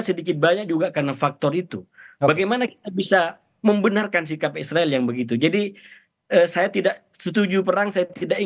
sedikit banyak juga karena faktor itu bagaimana bisa membenarkan sikap israel yang begitu jadi